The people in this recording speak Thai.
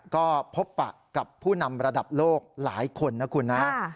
ก็พบปะกับผู้นำระดับโลกหลายคนนะคุณนะ